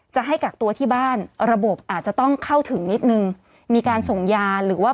จะให้กักตัวที่บ้านระบบอาจจะต้องเข้าถึงนิดนึงมีการส่งยาหรือว่า